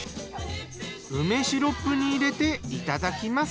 梅シロップに入れていただきます。